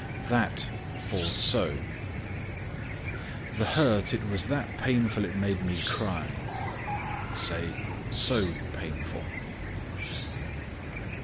THAT FOR SO "The hurt it was that painful it made him cry," say "so painful."